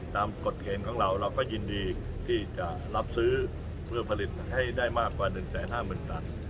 กฎเกณฑ์ของเราเราก็ยินดีที่จะรับซื้อเพื่อผลิตให้ได้มากกว่า๑๕๐๐๐ตัน